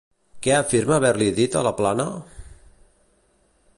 Què afirma haver-li dit a Laplana?